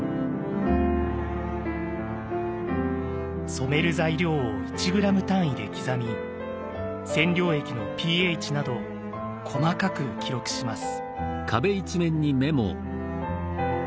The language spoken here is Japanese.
染める材料を１ｇ単位で刻み染料液のｐＨなど細かく記録します。